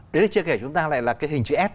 đến đây chưa kể chúng ta lại là cái hình chữ s